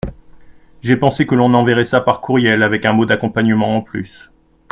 J’ai pensé que l’on enverrait ça par courriel avec un mot d’accompagnement en plus.